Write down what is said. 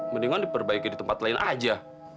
mendingan diperbaiki di tempat lain aja